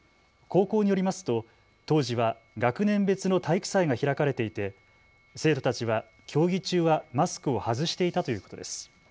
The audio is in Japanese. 高校によりますと当時は学年別の体育祭が開かれていて生徒たちは競技中はマスクを外していたということです。